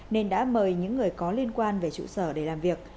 nên đã mời những người có liên quan về trụ sở để làm việc